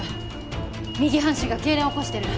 右半身が痙攣を起こしてる。